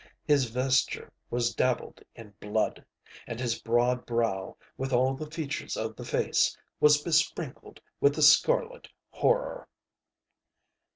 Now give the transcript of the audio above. His vesture was dabbled in bloodŌĆöand his broad brow, with all the features of the face, was besprinkled with the scarlet horror.